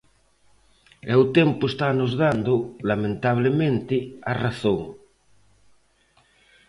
E o tempo estanos dando, lamentablemente, a razón.